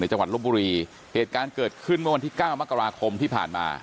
จังหวัดลบบุรีเหตุการณ์เกิดขึ้นเมื่อวันที่เก้ามกราคมที่ผ่านมา